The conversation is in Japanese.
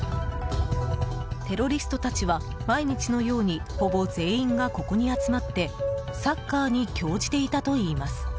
テロリストたちは、毎日のようにほぼ全員がここに集まってサッカーに興じていたといいます。